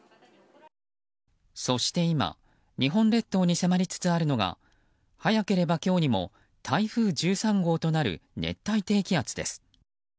そして今日本列島に迫りつつあるのが早ければ今日にも台風１３号となる熱帯低気圧です。